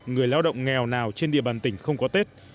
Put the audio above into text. người lao động nghèo nào trên địa bàn tỉnh không có tết